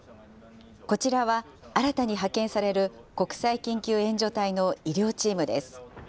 こちらは、新たに派遣される国際緊急援助隊の医療チームです。